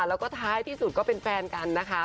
แล้วก็ท้ายที่สุดก็เป็นแฟนกันนะคะ